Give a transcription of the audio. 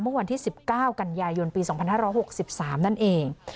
เมื่อวันที่๑๙กันยายนปี๒๕๖๓นั่นเอง